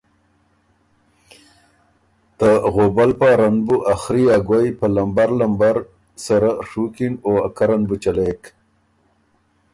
ته غوبل پاره ن بُو ا خري او ګوَئ په لمبر سَرَه ڒُوکِن او ا کره ن بُو چلېک۔